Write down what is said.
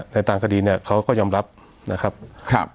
ตามคดีเนี่ยเขาก็ยอมรับนะครับ